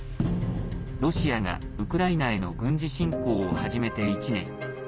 ロシアがウクライナへの軍事侵攻を始めて１年。